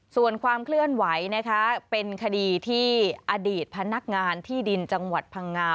ส่วนความเคลื่อนไหวนะคะเป็นคดีที่อดีตพนักงานที่ดินจังหวัดพังงา